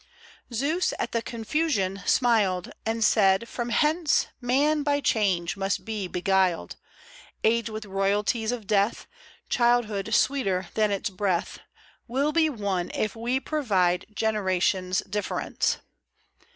Zeus at the confusion smiled, And said, " From hence Man by change must be beguiled ; Age with royalties of death. Childhood sweeter than its breath, 47 Will be won, if we provide Generation's difference."